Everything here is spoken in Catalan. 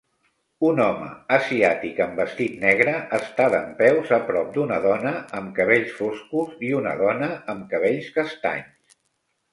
Un home asiàtic amb vestit negre està dempeus a prop d'una dona amb cabells foscos i una dona amb cabells castanys.